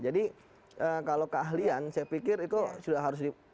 jadi kalau keahlian saya pikir itu sudah harus di